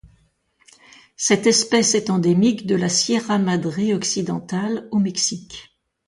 Cette espèce est endémique de la Sierra Madre occidentale au Mexique.